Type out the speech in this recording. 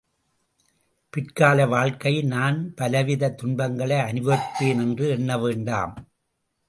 பிற்கால வாழ்க்கையில் நான் பலவிதத் துன்பங்களை அனுபவிப்பேன் என்று எண்ண வேண்டாம்.